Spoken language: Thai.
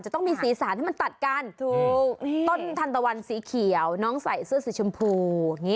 จะต้องมีสีสานให้มันตัดกันต้นทานตะวันสีเขียวน้องใส่เสื้อสีชมพู